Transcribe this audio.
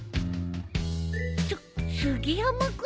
す杉山君？